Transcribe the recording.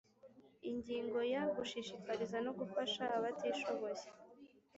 Ingingo ya gushishikariza no gufasha abatishoboye